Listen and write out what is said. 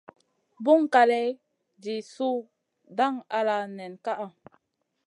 Buŋ kaley jih su dang ala nen kaʼa.